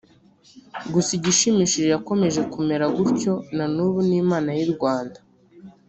gusa igishimishije yakomeje kumera gutyo na nubu n’Imana y’i Rwanda